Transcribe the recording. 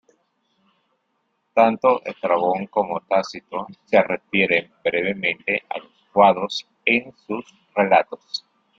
Tanto Estrabón como Tácito se refieren brevemente a los cuados en sus relatos.